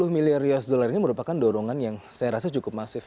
sepuluh miliar usd ini merupakan dorongan yang saya rasa cukup masif